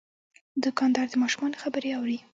دوکاندار د ماشومانو خبرې اوري.